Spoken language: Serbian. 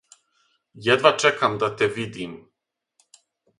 Једва чекам да те видим.